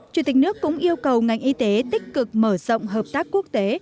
chủ tịch nước cũng yêu cầu ngành y tế tích cực mở rộng hợp tác quốc tế